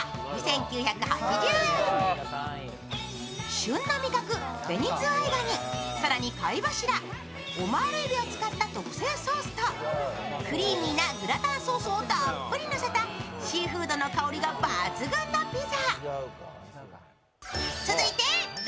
旬の味覚、紅ズワイガニ、更に貝柱、オマール海老を使った特製ソースとクリーミーなグラタンソースをたっぷりのせたシーフードの香りが抜群のピザ。